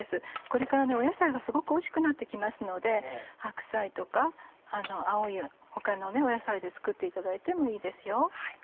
これから野菜がすごくおいしくなって来ますので白菜とか青い他の野菜で作っていただいてもいいですよ。